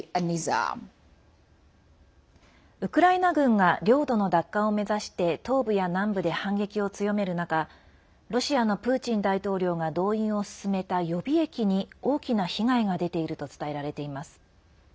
ウクライナ軍が領土の奪還を目指して東部や南部で反撃を強める中ロシアのプーチン大統領が動員を進めた予備役に大きな被害が出ていると伝えられています。